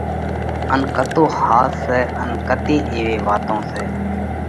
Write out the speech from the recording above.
ان ڪتو ۿاس سئہ؟ ان ڪتي ايوي واتون سئہ